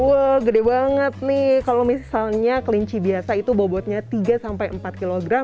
wah gede banget nih kalau misalnya kelinci biasa itu bobotnya tiga sampai empat kg